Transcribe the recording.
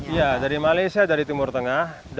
iya dari malaysia dari timur tengah